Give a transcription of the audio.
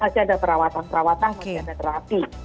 masih ada perawatan perawatan masih ada terapi